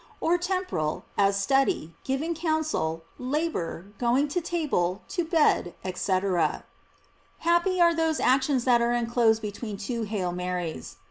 or temporal, as study, giving counsel, labor, going to table, to bed, &c. Happy are those actions that are enclosed be tween two "Hail Marys!"